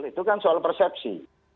itu kan soal persepsi